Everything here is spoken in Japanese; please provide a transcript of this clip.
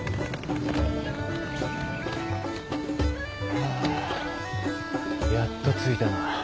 ハァやっと着いたな。